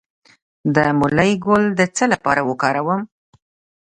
د مولی ګل د څه لپاره وکاروم؟